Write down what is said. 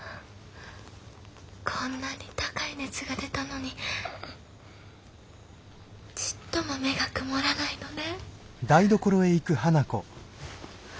こんなに高い熱が出たのにちっとも目が曇らないのね。